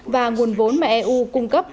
và nguồn vốn mà eu cung cấp